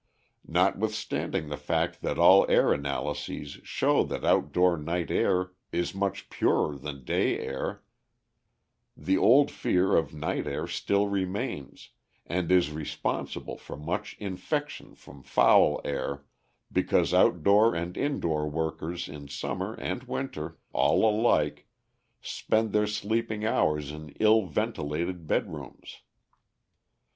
Notwithstanding the fact that all air analyses show that outdoor night air is much purer than day air, the old fear of night air still remains, and is responsible for much infection from foul air, because outdoor and indoor workers in summer and winter all alike spend their sleeping hours in ill ventilated bedrooms.